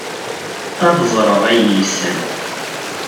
ad ẓreɣ ayen yessen